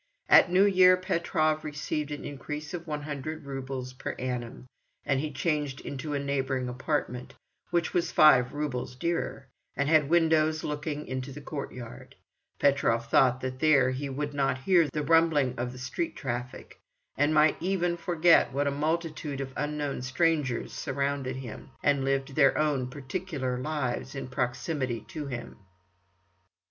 At New Year Petrov received an increase of 100 roubles per annum, and he changed into a neighbouring apartment, which was five roubles dearer, and had windows looking into the courtyard, Petrov thought that there he would not hear the rumbling of the street traffic, and might even forget what a multitude of unknown strangers surrounded him, and lived their own particular lives in proximity to him.